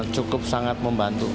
cukup sangat membantu